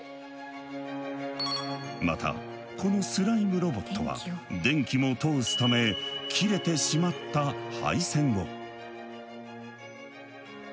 またこのスライムロボットは電気も通すため切れてしまった配線を。